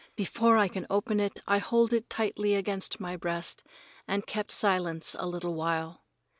Before I can open it I hold it tightly against my breast and kept silence a little while.